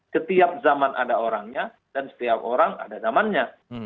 setiap zaman ada orangnya dan setiap orang ada zamannya